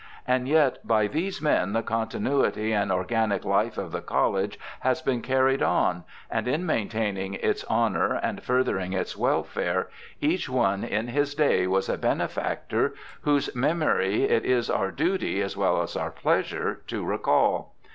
And yet by these men the continuity and organic life of the College has been carried on, and in maintaining its honour, and furthering its welfare, each one in his day was a benefactor, whose memory it is our duty, as well as our pleasure, to recall.